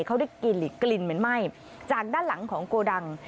เขาได้กลิ่นกลิ่นเหม็นไหม้จากด้านหลังของโกดัง